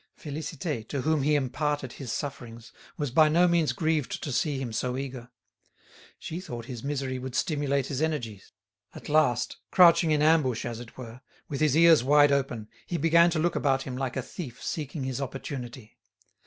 Félicité, to whom he imparted his sufferings, was by no means grieved to see him so eager. She thought his misery would stimulate his energies. At last, crouching in ambush as it were, with his ears wide open, he began to look about him like a thief seeking his opportunity.